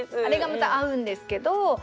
あれがまた合うんですけど。